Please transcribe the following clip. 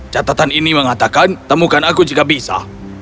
catatan ini mengatakan temukan aku jika bisa